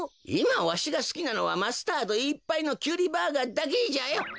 いまわしがすきなのはマスタードいっぱいのキュウリバーガーだけじゃよ！